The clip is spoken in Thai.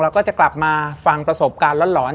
ก็จะกลับมาฟังประสบการณ์หลอน